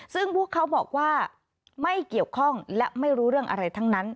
ซึ่งพวกเขาบอกว่าไม่เกี่ยวข้องและไม่รู้เรื่องอะไรทั้งนั้น